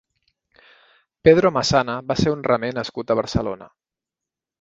Pedro Massana va ser un remer nascut a Barcelona.